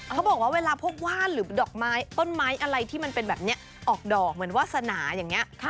เขาบอกว่าเวลาพบว่านหรือดอกไม้ต้นไม้อะไรที่มันเป็นแบบนี้ออกดอกเหมือนวาสนาอย่างนี้